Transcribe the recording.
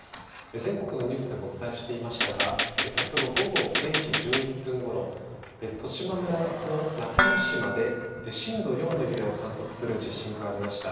全国のニュースでもお伝えしていましたが先ほど午後０時１１分ごろ十島村の中之島で震度４の揺れを観測する地震がありました。